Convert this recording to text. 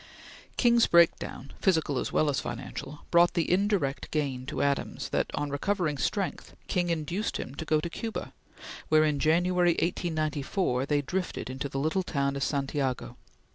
King's breakdown, physical as well as financial, brought the indirect gain to Adams that, on recovering strength, King induced him to go to Cuba, where, in January, 1894, they drifted into the little town of Santiago.